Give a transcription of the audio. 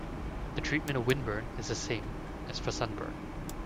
The treatment of windburn is the same as for sunburn.